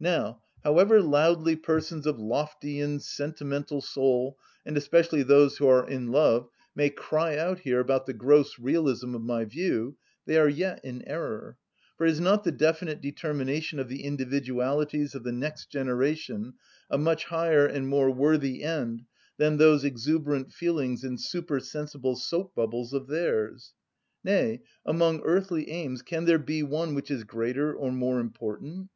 Now, however loudly persons of lofty and sentimental soul, and especially those who are in love, may cry out here about the gross realism of my view, they are yet in error. For is not the definite determination of the individualities of the next generation a much higher and more worthy end than those exuberant feelings and super‐sensible soap bubbles of theirs? Nay, among earthly aims, can there be one which is greater or more important?